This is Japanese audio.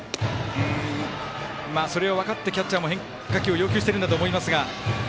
それを分かって変化球を要求しているんだと思いますが。